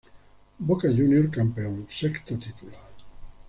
Boca JuniorsCampeón"Sexto título"